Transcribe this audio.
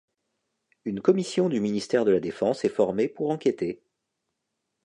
Une commission du ministère de la Défense est formée pour enquêter.